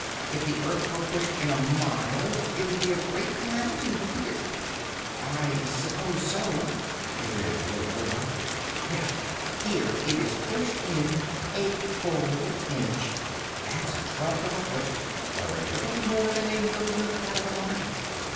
"If the earth were pushed in a mile, it would be a great calamity, wouldn't it?" "I s'pose so," admitted the little girl. "Well, here it is pushed in a full inch! That's a twelfth of a foot, or a little more than a millionth part of a mile.